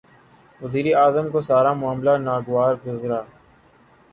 وزیر اعظم کو سارا معاملہ ناگوار گزرا۔